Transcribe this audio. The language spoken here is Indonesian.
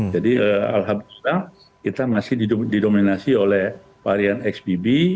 jadi alhamdulillah kita masih didominasi oleh varian xbb